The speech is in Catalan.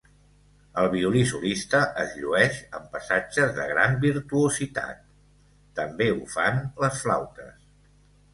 El violí solista es llueix amb passatges de gran virtuositat, també ho fan les flautes.